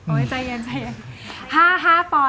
โอ้ยใจเย็น